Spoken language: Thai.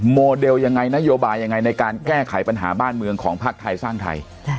โมเดลยังไงนโยบายยังไงในการแก้ไขปัญหาบ้านเมืองของภาคไทยสร้างไทย